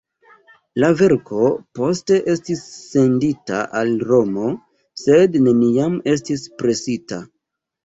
La verko poste estis sendita al Romo, sed neniam estis presita.